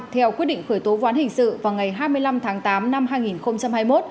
theo quyết định khởi tố ván hình sự vào ngày hai mươi năm tháng tám năm hai nghìn hai mươi một